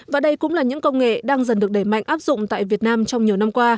và đây cũng là những công nghệ đang dần được đẩy mạnh áp dụng tại việt nam trong nhiều năm qua